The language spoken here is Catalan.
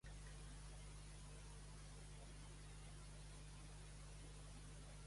Coral va comercialitzar la cançó satisfactòriament per al públic del país.